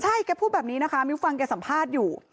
ใช่แกพูดแบบนี้นะคะมิ้วฟังแกสัมภาษณ์อยู่